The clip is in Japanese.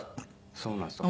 そうなんですよ。